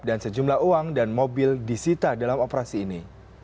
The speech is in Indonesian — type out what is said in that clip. dan sejumlah uang dan mobil disita dalam operasi ini